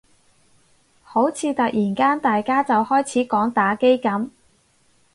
好似突然間大家就開始講打機噉